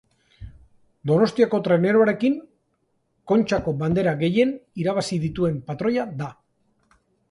Donostiako traineruarekin Kontxako Bandera gehien irabazi dituen patroia da.